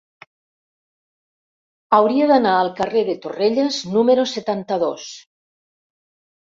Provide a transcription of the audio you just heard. Hauria d'anar al carrer de Torrelles número setanta-dos.